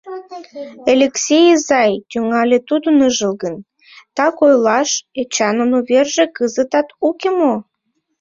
— Элексей изай, — тӱҥале тудо ныжылгын, — так ойлаш, Эчанын уверже кызытат уке мо?